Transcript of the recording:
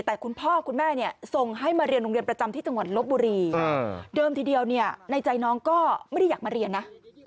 แต่คุณพ่อคุณแม่เนี่ยส่งให้มาเรียนโรงเรียนประจำที่จังหวัดลบบุรีเดิมทีเดียวเนี่ยในใจน้องก็ไม่ได้อยากมาเรียนนะ